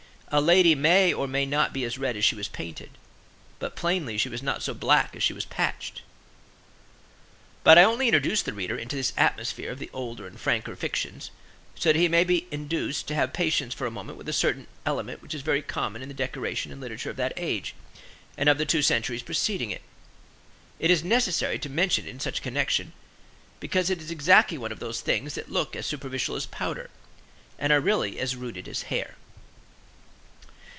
A lady may or may not be as red as she is painted, but plainly she was not so black as she was patched. But I only introduce the reader into this atmosphere of the older and franker fictions that he may be induced to have patience for a moment with a certain element which is very common in the decoration and literature of that age and of the two centuries preceding it. It is necessary to mention it in such a connection because it is exactly one of those things that look as superficial as powder, and are really as rooted as hair.